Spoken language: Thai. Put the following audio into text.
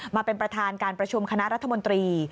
มาเป็นประธานการประชุมคณะรัฐมนตรี